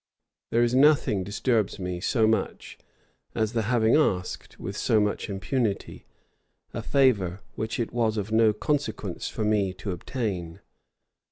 There is nothing disturbs me so much, as the having asked, with so much impunity, a favor which it was of no consequence for me to obtain.